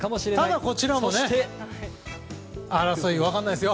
ただこちらも分からないですよ。